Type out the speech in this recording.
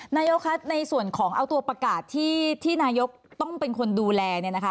นายกคะในส่วนของเอาตัวประกาศที่นายกต้องเป็นคนดูแลเนี่ยนะคะ